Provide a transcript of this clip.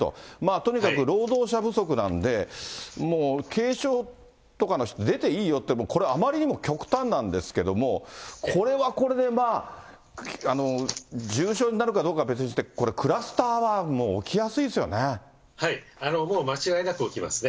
とにかく労働者不足なので、もう軽症とかの人、出ていいよって、これ、あまりにも極端なんですけれども、これはこれで、まあ、重症になるかどうかは別にして、これクラスターはもう起きやすいもう間違いなく起きますね。